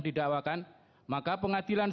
didakwakan maka pengadilan